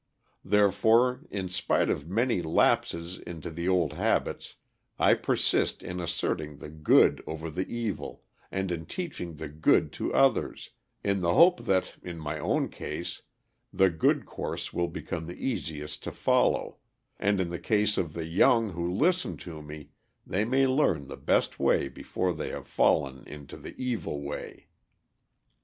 Therefore, in spite of my many lapses into the old habits, I persist in asserting the good over the evil, and in teaching the good to others, in the hope that, in my own case, the good course will become the easiest to follow, and in the case of the young who listen to me they may learn the best way before they have fallen into the evil way.